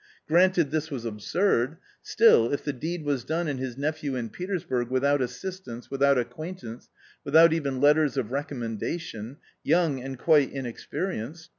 Granted this A COMMON STORY 33 was absurd ; still if the deed was done and his nephew Jin Petersburg, without assistance, without acquaintance, J without even letters of recommendation, young and quite inexperienced